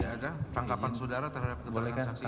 tidak ada tangkapan saudara terhadap ketangan saksi ini